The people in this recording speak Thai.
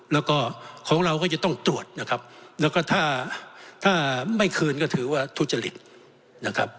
แล้วก็ของเราก็จะต้องตรวจนะครับแล้วก็ถ้าถ้าไม่คืนก็ถือว่าทุจริตนะครับ